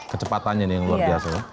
kecepatannya nih yang luar biasa